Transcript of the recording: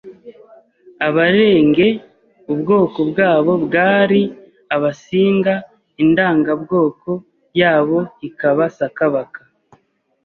Abarenge ubwoko bwabo bwari Abasinga, indangabwoko yabo ikaba SAKABAKA.